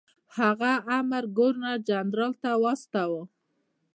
هغه امر ګورنر جنرال ته واستاوه.